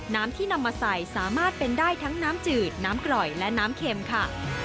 น้ำที่นำมาใส่สามารถเป็นได้ทั้งน้ำจืดน้ำกร่อยและน้ำเข็มค่ะ